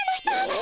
え！？